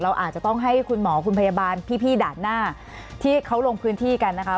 อาจจะต้องให้คุณหมอคุณพยาบาลพี่ด่านหน้าที่เขาลงพื้นที่กันนะคะ